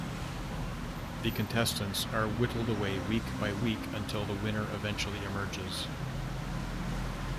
The contestants are whittled away week by week until the winner eventually emerges.